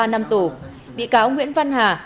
ba năm tù bị cáo nguyễn văn hà